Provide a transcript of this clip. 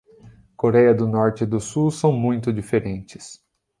Coréia do Norte e do Sul são muito diferentes.